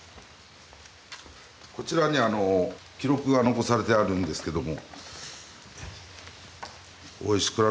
こちらにあの記録が残されてあるんですけども。